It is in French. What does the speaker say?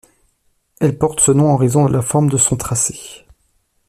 Elle porte ce nom en raison de la forme de son tracé.